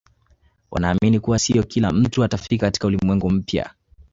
wanaamini kuwa siyo kila mtu atafika katika ulimwengu mpya